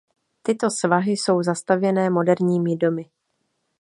Tyto svahy jsou zastavěné moderními domy.